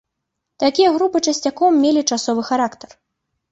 Такія групы часцяком мелі часовы характар.